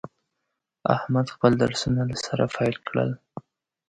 احمد خپل درسونه له سره پیل کړل.